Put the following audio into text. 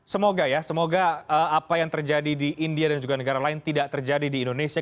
semoga ya semoga apa yang terjadi di india dan juga negara lain tidak terjadi di indonesia